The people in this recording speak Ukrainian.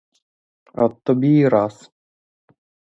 От тобі й раз!